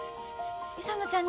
勇ちゃん